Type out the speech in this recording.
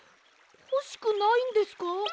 ほしくないんですか？